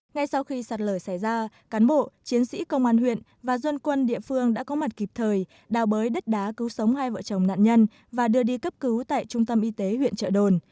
ngay sau khi sạt lở xảy ra cán bộ chiến sĩ công an huyện và dân quân địa phương đã có mặt kịp thời đào bới đất đá cứu sống hai vợ chồng nạn nhân và đưa đi cấp cứu tại trung tâm y tế huyện trợ đồn